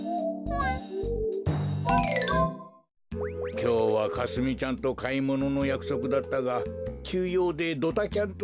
きょうはかすみちゃんとかいもののやくそくだったがきゅうようでドタキャンとはつまらんな。